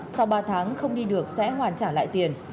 sau ba tháng không đi được sẽ hoàn trả lại tiền